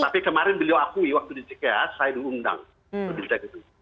tetapi kemarin beliau akui waktu di ck saya diundang ke binta gini